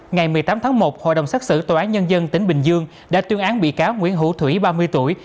ngày một mươi tám tháng một hội đồng xác xử tòa án nhân dân tỉnh bình dương đã tuyên án bị cáo nguyễn hữu thủy ba mươi tuổi